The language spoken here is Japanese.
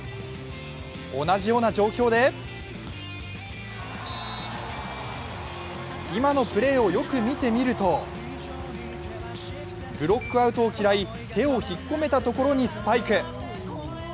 同じような状況で今のプレーをよく見てみるとブロックアウトを嫌い手を引っ込めたところにスパイク。